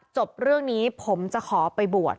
จบเรื่องนี้ผมจะขอไปบวช